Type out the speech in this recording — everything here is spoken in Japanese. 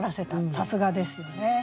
さすがですよね。